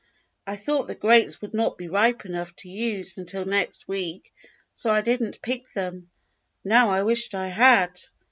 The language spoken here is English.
I thought the grapes would not be ripe enough to use until next week, so I did n't pick them. Now I wish I had.